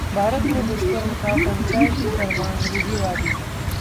'भारत में दुष्कर्म का पंचायती फरमान रूढ़िवादी'